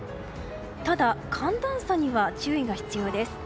ただ、寒暖差には注意が必要です。